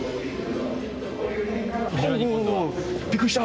おおびっくりした！